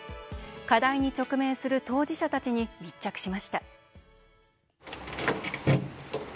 課題に直面する当事者たちに密着しました。